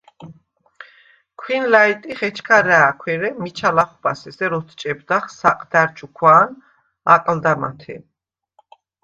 ქვინ ლა̈ჲტიხ, ეჩქა რა̄̈ქვ, ერე მიჩა ლახვბას ესერ ოთჭებდახ საყდა̈რ ჩუქვა̄ნ აკლდამათე.